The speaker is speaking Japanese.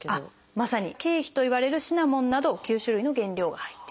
まさに「桂皮」といわれるシナモンなど９種類の原料が入っていると。